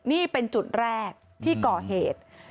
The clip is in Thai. นี่เป็นจุดแรกที่ก่อเหตุ